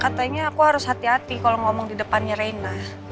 katanya aku harus hati hati kalau ngomong di depannya reina